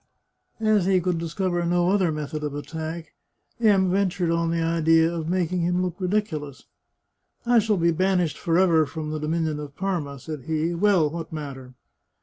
As he could discover no other method of attack, M ventured on the idea of making him look ridiculous. 237 The Chartreuse of Parma " I shall be banished forever from the dominion of Parma," said he. " Well, what matter